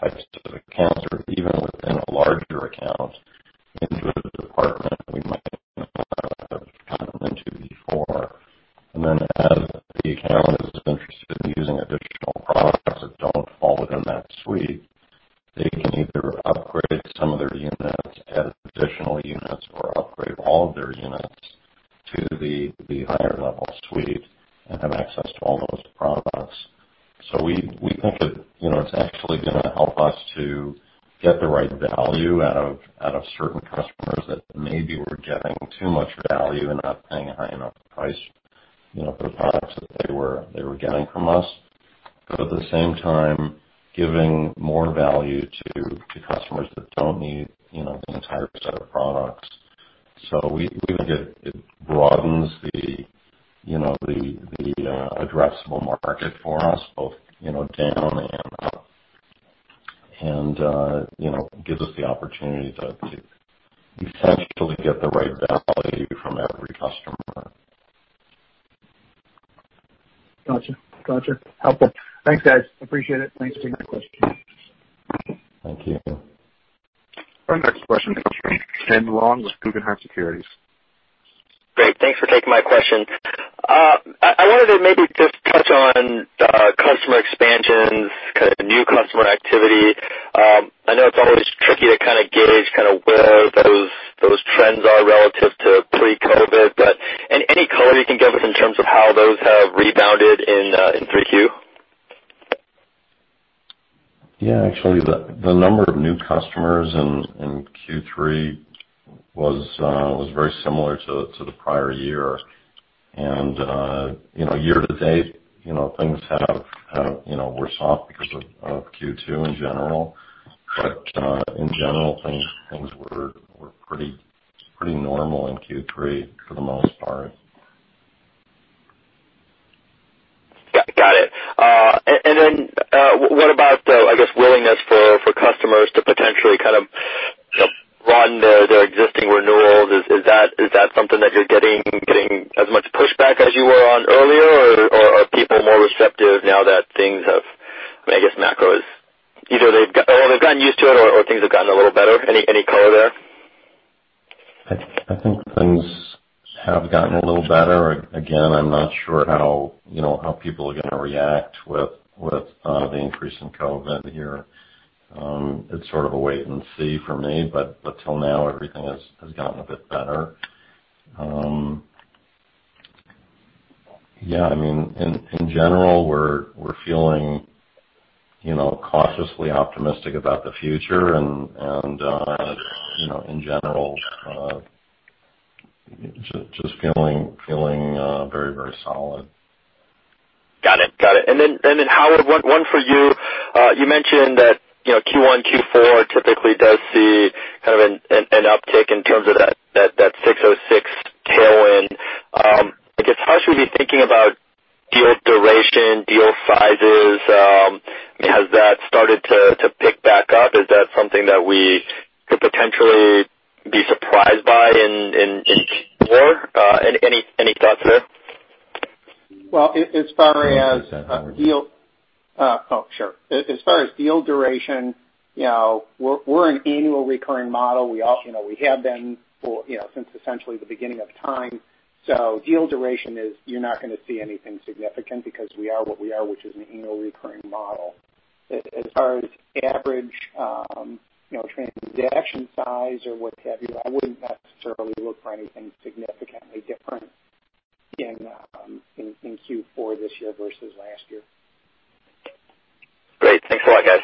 types of accounts, or even within a larger account into a department we might not have gotten into before. As the account is interested in using additional products that don't fall within that suite, they can either upgrade some of their units, add additional units, or upgrade all of their units to the higher level suite and have access to all those products. We think it's actually going to help us to get the right value out of certain customers that maybe were getting too much value and not paying a high enough price for the products that they were getting from us. At the same time, giving more value to customers that don't need the entire set of products. We think it broadens the addressable market for us both down and up and gives us the opportunity to potentially get the right value from every customer. Got you. Helpful. Thanks, guys. Appreciate it. Thanks for taking my question. Thank you. Our next question comes from Kenneth Wong with Guggenheim Securities. Great. Thanks for taking my question. I wanted to maybe just touch on the customer expansions, kind of new customer activity. I know it's always tricky to kind of gauge where those trends are relative to pre-COVID, but any color you can give us in terms of how those have rebounded in 3Q? Yeah, actually, the number of new customers in Q3 was very similar to the prior year. Year to date, things were soft because of Q2 in general. In general, things were pretty normal in Q3 for the most part. What about the willingness for customers to potentially broaden their existing renewals? Is that something that you're getting as much pushback as you were on earlier? Or are people more receptive now that things have, I guess, macros, either they've gotten used to it or things have gotten a little better? Any color there? I think things have gotten a little better. Again, I'm not sure how people are going to react with the increase in COVID here. It's sort of a wait and see for me, but till now, everything has gotten a bit better. In general, we're feeling cautiously optimistic about the future and, in general, just feeling very solid. Got it. Howard, one for you. You mentioned that Q1, Q4 typically does see an uptick in terms of that 606 tailwind. I guess, how should we be thinking about deal duration, deal sizes? Has that started to pick back up? Is that something that we could potentially be surprised by in Q4? Any thoughts there? Well, as far as deal- One second, Howard. Sure. As far as deal duration, we're an annual recurring model. We have been since essentially the beginning of time. You're not going to see anything significant because we are what we are, which is an annual recurring model. As far as average transaction size or what have you, I wouldn't necessarily look for anything significantly different in Q4 this year versus last year. Great. Thanks a lot, guys.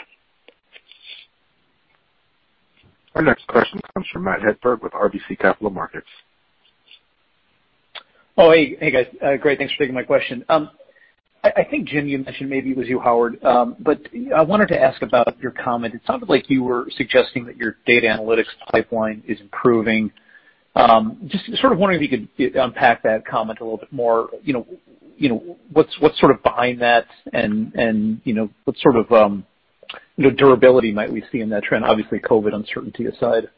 Our next question comes from Matthew Hedberg with RBC Capital Markets. Hey guys. Great. Thanks for taking my question. I think, Jim, you mentioned, maybe it was you, Howard, but I wanted to ask about your comment. It sounded like you were suggesting that your data analytics pipeline is improving. Just sort of wondering if you could unpack that comment a little bit more. What's behind that and what sort of durability might we see in that trend? Obviously, COVID uncertainty aside.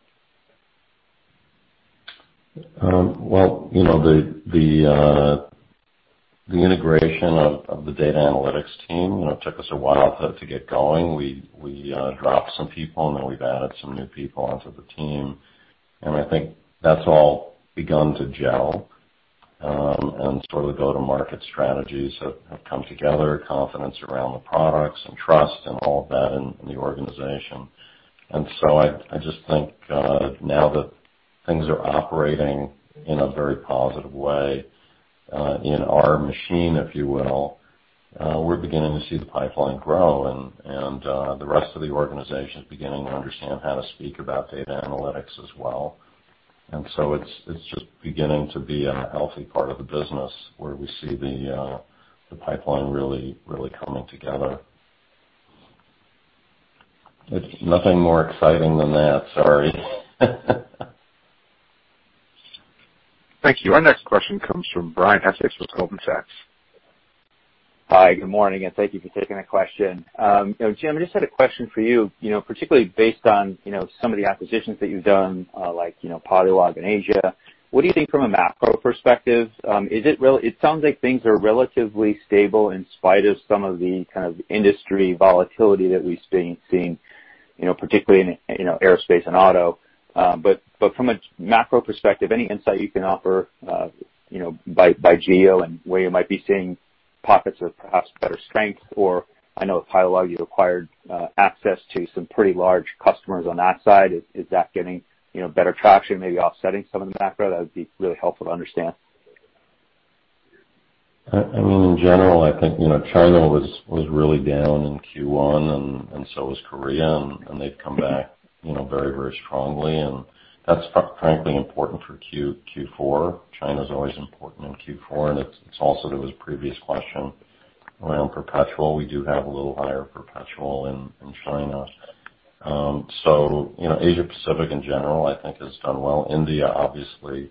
The integration of the data analytics team took us a while to get going. We dropped some people, then we've added some new people onto the team. I think that's all begun to gel and sort of go-to-market strategies have come together, confidence around the products and trust and all of that in the organization. I just think now that things are operating in a very positive way in our machine, if you will, we're beginning to see the pipeline grow, the rest of the organization is beginning to understand how to speak about data analytics as well. It's just beginning to be a healthy part of the business where we see the pipeline really coming together. It's nothing more exciting than that. Sorry. Thank you. Our next question comes from Brian Essex with Goldman Sachs. Hi, good morning, and thank you for taking the question. Jim, I just had a question for you, particularly based on some of the acquisitions that you've done, like Polliwog in Asia. What do you think from a macro perspective? It sounds like things are relatively stable in spite of some of the industry volatility that we've seen, particularly in aerospace and auto. But from a macro perspective, any insight you can offer by geo and where you might be seeing pockets of perhaps better strength, or I know with Polliwog, you've acquired access to some pretty large customers on that side. Is that getting better traction, maybe offsetting some of the macro? That would be really helpful to understand. In general, I think China was really down in Q1 and so was Korea, and they've come back very strongly, and that's frankly important for Q4. China's always important in Q4, and it's also to his previous question around perpetual. We do have a little higher perpetual in China. Asia Pacific, in general, I think, has done well. India obviously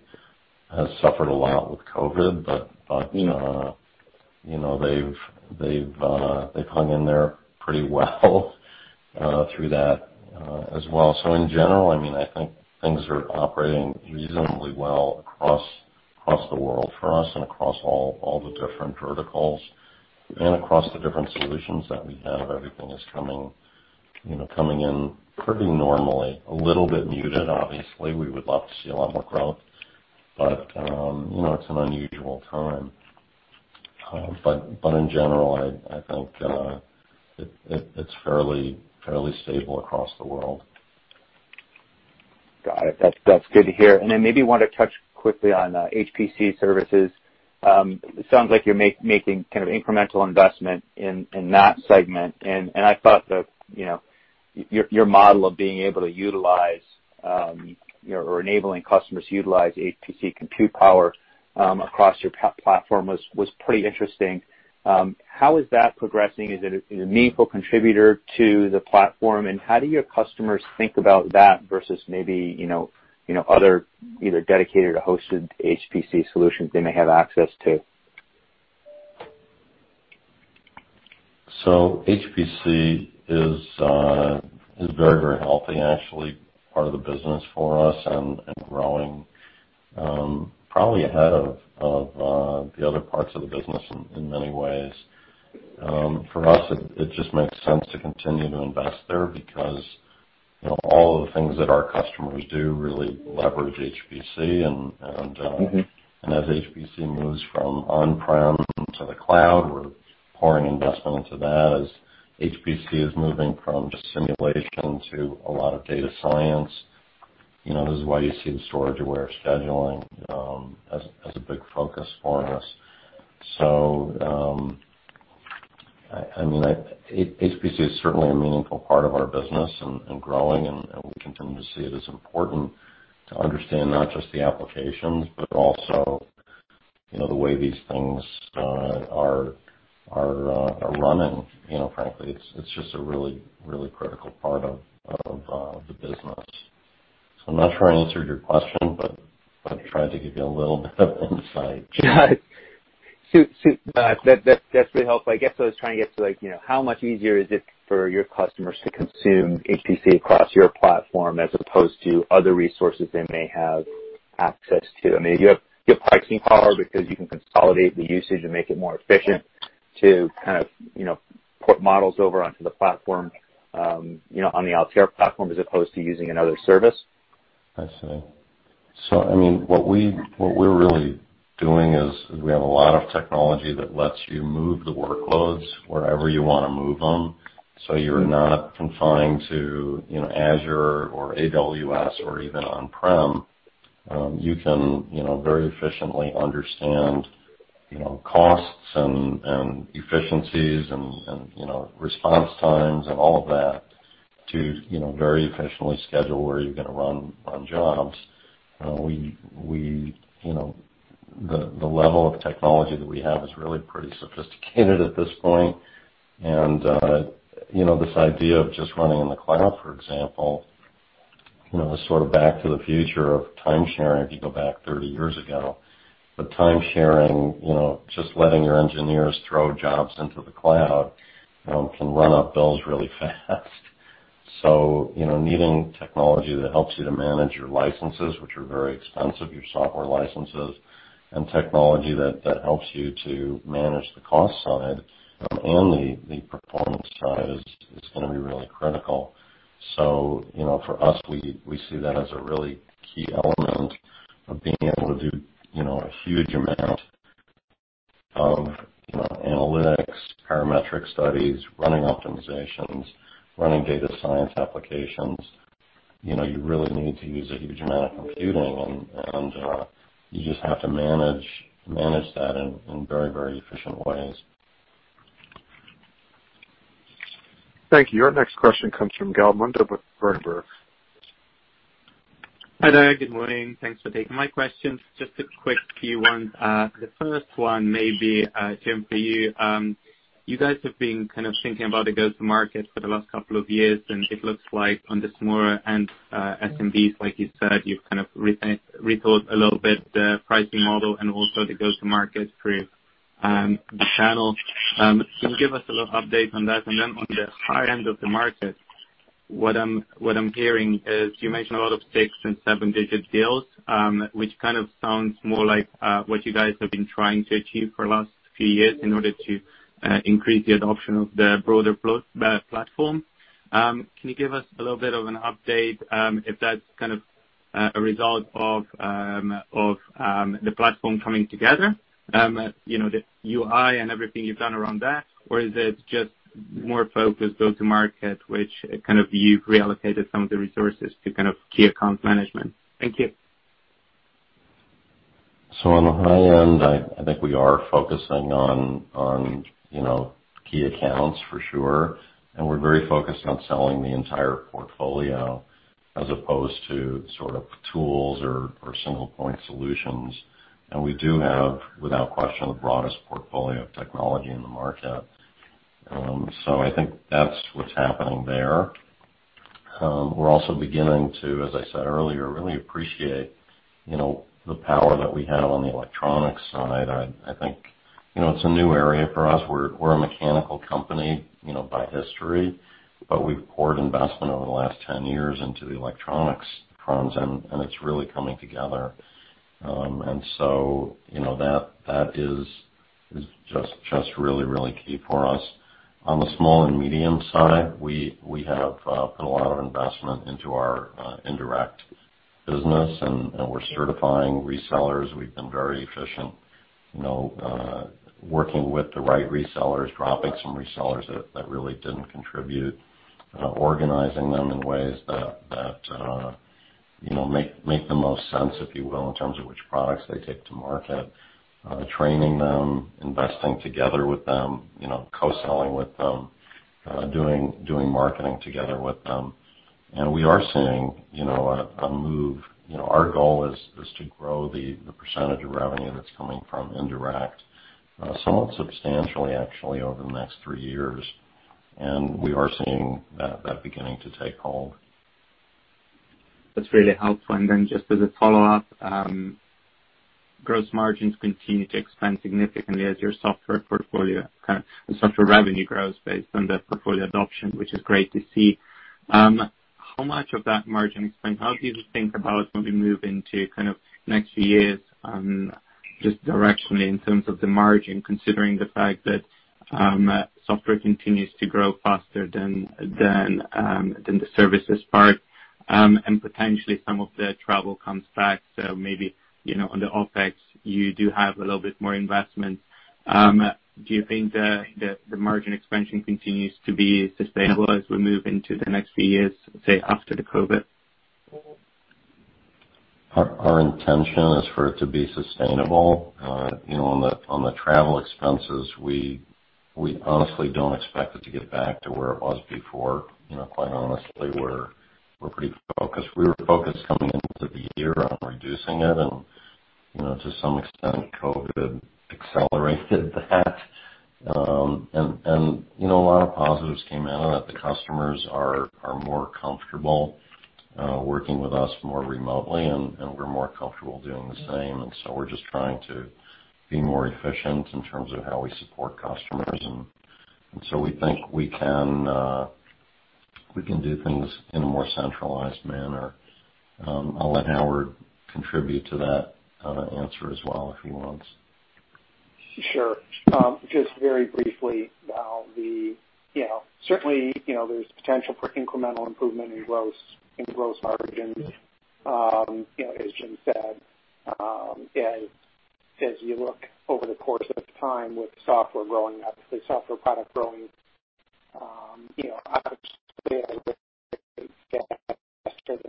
has suffered a lot with COVID-19, but they've hung in there pretty well through that as well. In general, I think things are operating reasonably well across the world for us and across all the different verticals and across the different solutions that we have. Everything is coming in pretty normally. A little bit muted, obviously. We would love to see a lot more growth, but it's an unusual time. In general, I think it's fairly stable across the world. Got it. That's good to hear. Then maybe want to touch quickly on HPC services. It sounds like you're making incremental investment in that segment, and I thought that your model of being able to utilize or enabling customers to utilize HPC compute power across your platform was pretty interesting. How is that progressing? Is it a meaningful contributor to the platform, and how do your customers think about that versus maybe other either dedicated or hosted HPC solutions they may have access to? HPC is very healthy, actually, part of the business for us and growing probably ahead of the other parts of the business in many ways. For us, it just makes sense to continue to invest there because all of the things that our customers do really leverage HPC. As HPC moves from on-prem to the cloud, we're pouring investment into that as HPC is moving from just simulation to a lot of data science. This is why you see the storage-aware scheduling as a big focus for us. HPC is certainly a meaningful part of our business and growing, and we continue to see it as important to understand not just the applications, but also the way these things are running. Frankly, it's just a really critical part of the business. I'm not sure I answered your question, but I've tried to give you a little bit of insight. That really helps. I guess I was trying to get to, how much easier is it for your customers to consume HPC across your platform as opposed to other resources they may have access to? Do you have pricing power because you can consolidate the usage and make it more efficient to put models over onto the platform, on the Altair platform, as opposed to using another service? I see. What we're really doing is we have a lot of technology that lets you move the workloads wherever you want to move them, so you're not confined to Azure or AWS or even on-prem. You can very efficiently understand costs and efficiencies and response times and all of that to very efficiently schedule where you're going to run jobs. The level of technology that we have is really pretty sophisticated at this point. This idea of just running in the cloud, for example, is sort of back to the future of time sharing, if you go back 30 years ago. Time sharing, just letting your engineers throw jobs into the cloud, can run up bills really fast. Needing technology that helps you to manage your licenses, which are very expensive, your software licenses, and technology that helps you to manage the cost side and the performance side is going to be really critical. For us, we see that as a really key element of being able to do a huge amount of analytics, parametric studies, running optimizations, running data science applications. You really need to use a huge amount of computing, and you just have to manage that in very efficient ways. Thank you. Our next question comes from Gal Munda with Berenberg. Hi there. Good morning. Thanks for taking my questions. Just a quick few ones. The first one may be, Jim, for you. You guys have been kind of thinking about the go-to-market for the last couple of years, and it looks like on the smaller end SMBs, like you said, you've kind of rethought a little bit the pricing model and also the go-to-market through the channel. Can you give us a little update on that? And then on the high end of the market, what I'm hearing is you mentioned a lot of six- and seven-digit deals, which kind of sounds more like what you guys have been trying to achieve for the last few years in order to increase the adoption of the broader platform. Can you give us a little bit of an update if that's kind of a result of the platform coming together, the UI and everything you've done around that? Is it just more focused go-to-market, which kind of you've reallocated some of the resources to kind of key account management? Thank you. On the high end, I think we are focusing on key accounts for sure, and we're very focused on selling the entire portfolio as opposed to sort of tools or single-point solutions. We do have, without question, the broadest portfolio of technology in the market. I think that's what's happening there. We're also beginning to, as I said earlier, really appreciate the power that we have on the electronics side. I think it's a new area for us. We're a mechanical company by history, but we've poured investment over the last 10 years into the electronics problems, and it's really coming together. That is just really key for us. On the small and medium side, we have put a lot of investment into our indirect business, and we're certifying resellers. We've been very efficient working with the right resellers, dropping some resellers that really didn't contribute, organizing them in ways that make the most sense, if you will, in terms of which products they take to market. Training them, investing together with them, co-selling with them, doing marketing together with them. We are seeing a move. Our goal is to grow the percentage of revenue that's coming from indirect somewhat substantially, actually, over the next three years. We are seeing that beginning to take hold. That's really helpful. Then just as a follow-up, gross margins continue to expand significantly as your software portfolio kind of, and software revenue grows based on the portfolio adoption, which is great to see. How much of that margin expand? How do you think about when we move into kind of next few years, just directionally in terms of the margin, considering the fact that software continues to grow faster than the services part, and potentially some of the travel comes back. Maybe, on the OpEx, you do have a little bit more investment. Do you think the margin expansion continues to be sustainable as we move into the next few years, say, after the COVID-19? Our intention is for it to be sustainable. On the travel expenses, we honestly don't expect it to get back to where it was before. Quite honestly, we're pretty focused. We were focused coming into the year on reducing it and, to some extent, COVID-19 accelerated that. A lot of positives came out of that. The customers are more comfortable working with us more remotely, and we're more comfortable doing the same. We're just trying to be more efficient in terms of how we support customers. We think we can do things in a more centralized manner. I'll let Howard contribute to that answer as well, if he wants. Sure. Just very briefly, certainly, there's potential for incremental improvement in gross margins. As Jim said, as you look over the course of time with software growing, obviously software product growing, obviously, I think get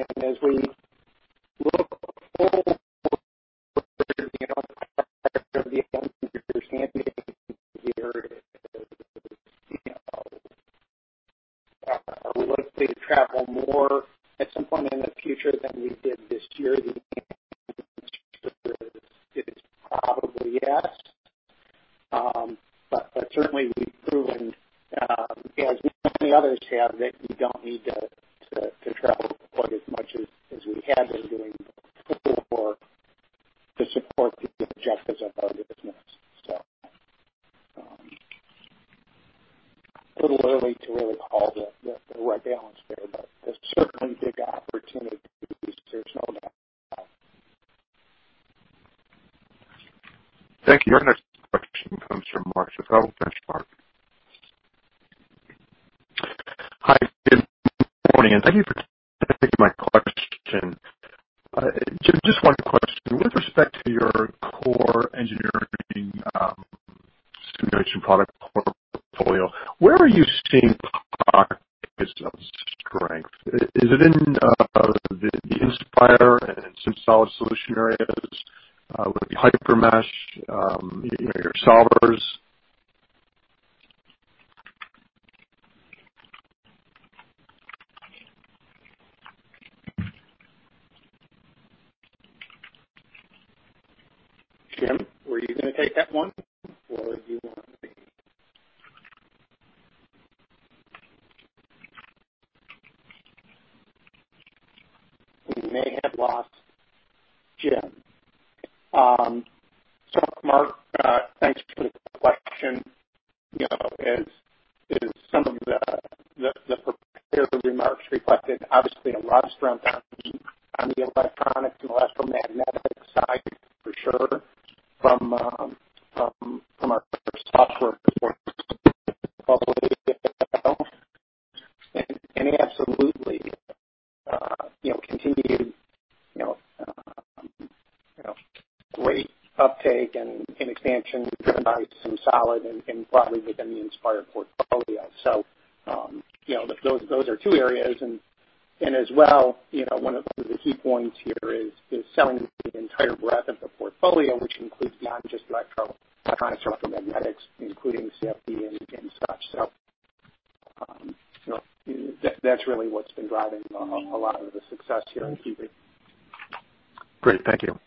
yesterday. As we look forward, the understanding here is, are we likely to travel more at some point in the future than we did this year? The answer is probably yes. Certainly, we've proven, as many others have, that we don't need to travel quite as much as we had been doing before to support the objectives of our business. A little early to really call the right balance there, but there's certainly a big opportunity. There's no doubt. Thank you. Our next question comes from Marko Savov. Thanks, Mark. Hi, Jim. Morning, thank you for taking my question. Jim, just one question. With respect to your core engineering simulation product portfolio, where are you seeing pockets of strength? Is it in the Inspire and SimSolid areas? Would it be HyperMesh, your solvers? Jim, were you going to take that one or you want me to? We may have lost Jim. Mark, thanks for the question. As some of the prepared remarks reflected, obviously a lot of strength on the electronic and electromagnetic side for sure from our software portfolio. Absolutely, continued great uptake and expansion driven by SimSolid and broadly within the Inspire portfolio. Those are two areas, and as well, one of the key points here is selling the entire breadth of the portfolio, which includes beyond just electronics or magnetics, including CFD and such. That's really what's been driving a lot of the success here in Q3. Great. Thank you.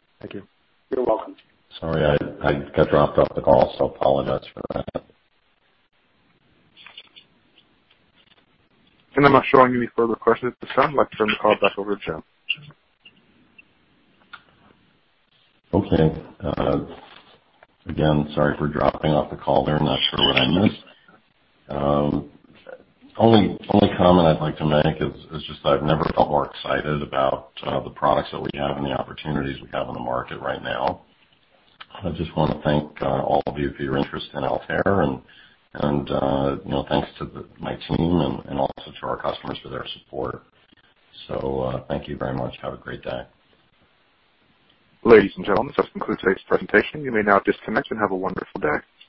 You're welcome. Sorry, I got dropped off the call. Apologize for that. I'm not showing any further questions at this time. I'd like to turn the call back over to Jim. Okay. Again, sorry for dropping off the call there. Not sure what I missed. Only comment I'd like to make is just that I've never felt more excited about the products that we have and the opportunities we have in the market right now. I just want to thank all of you for your interest in Altair, and thanks to my team and also to our customers for their support. Thank you very much. Have a great day. Ladies and gentlemen, this concludes today's presentation. You may now disconnect and have a wonderful day.